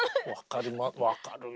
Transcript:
分かるな。